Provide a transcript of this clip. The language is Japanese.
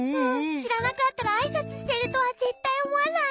しらなかったらあいさつしてるとはぜったいおもわない。